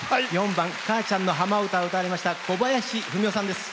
４番「母ちゃんの浜唄」を歌われましたこばやしさんです。